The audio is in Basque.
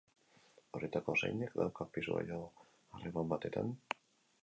Horietako zeinek dauka pisu gehiago harreman batetan?